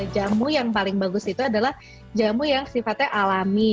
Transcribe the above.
jamu yang paling bagus itu adalah jamu yang sifatnya alami